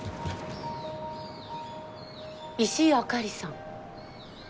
石井あかりさん。